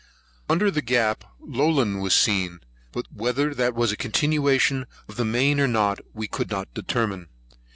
Under the gap, low land was seen; but whether that was a continuation of the main or not, we could not determine.